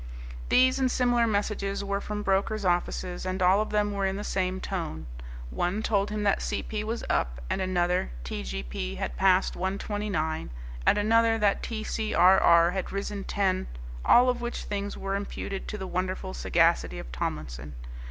These and similar messages were from brokers' offices, and all of them were in the same tone; one told him that C. P. was up, and another T. G. P. had passed 129, and another that T. C. R. R. had risen ten all of which things were imputed to the wonderful sagacity of Tomlinson.